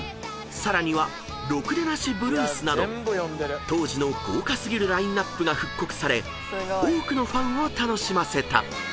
さらには『ろくでなしＢＬＵＥＳ』など当時の豪華過ぎるラインアップが復刻され多くのファンを楽しませた］